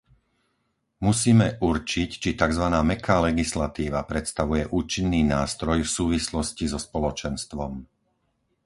Musíme určiť, či takzvaná mäkká legislatíva predstavuje účinný nástroj v súvislosti so Spoločenstvom.